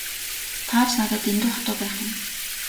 Та ч надад дэндүү хатуу байх юм.